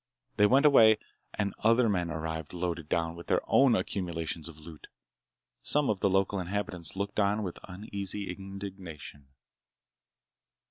They went away and other men arrived loaded down with their own accumulations of loot. Some of the local inhabitants looked on with uneasy indignation.